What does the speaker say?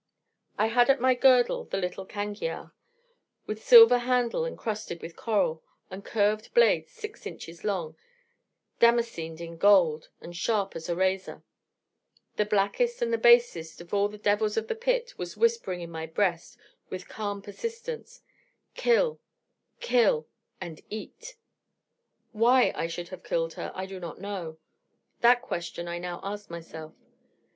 I had at my girdle the little cangiar, with silver handle encrusted with coral, and curved blade six inches long, damascened in gold, and sharp as a razor; the blackest and the basest of all the devils of the Pit was whispering in my breast with calm persistence: 'Kill, kill and eat.' Why I should have killed her I do not know. That question I now ask myself.